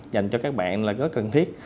dành cho các bạn là rất cần thiết